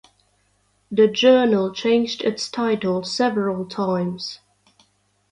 The journal changed its title several times.